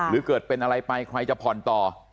หรือเกิดเป็นอะไรไปใครจะผ่อนต่อ